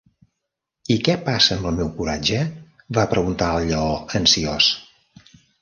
"I què passa amb el meu coratge?", va preguntar el Lleó, ansiós.